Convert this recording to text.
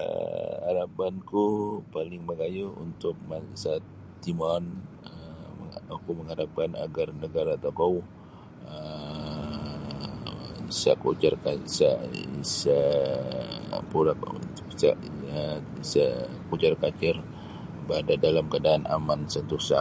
um harapanku paling magayu untuk bangsa timuaan oku makarapan agar negara tokou um isa kucar kucir isa isa um isa porak um isa um isa kucar kucir berada dalam keadaan aman sentusa.